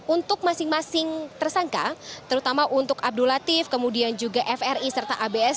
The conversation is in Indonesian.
untuk masing masing tersangka terutama untuk abdul latif kemudian juga fri serta abs